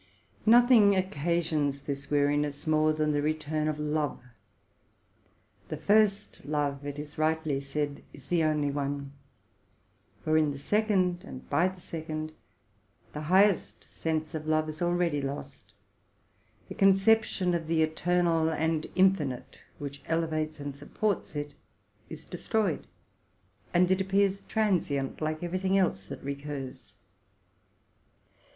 Nothing occasions this weariness more than the return of love. The first love, it is rightly said, is the only one; for in the second, and by the second, the highest sense of love is already lost. The conception of the eternal and infinite, which elevates and supports it, is destroyed ; and it appears transient like every thing else that recurs.